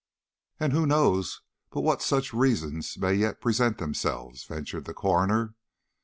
"And who knows but what such reasons may yet present themselves?" ventured the coroner.